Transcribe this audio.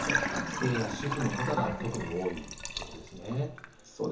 学生や主婦の方が特に多いということですね。